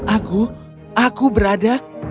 aku aku berada